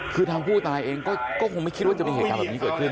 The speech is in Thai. คือทางผู้ตายเองก็คงไม่คิดว่าจะมีเหตุการณ์แบบนี้เกิดขึ้น